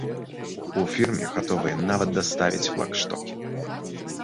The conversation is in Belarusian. У фірме гатовыя нават даставіць флагштокі.